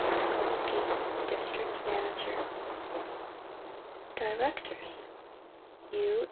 SKOLSKY, District Manag er DIRECTORS U.